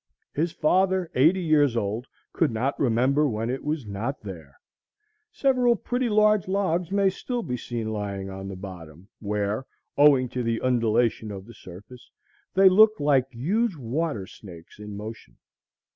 His father, eighty years old, could not remember when it was not there. Several pretty large logs may still be seen lying on the bottom, where, owing to the undulation of the surface, they look like huge water snakes in motion.